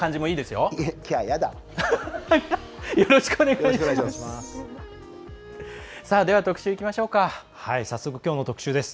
よろしくお願いします。